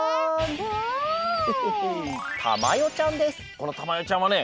このたまよちゃんはね